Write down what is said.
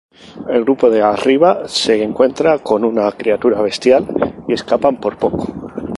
El grupo de arriba se encuentra con una criatura bestial y escapan por poco.